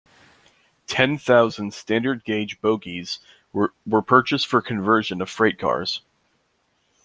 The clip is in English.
Ten thousand standard gauge bogies were purchased for conversion of freight cars.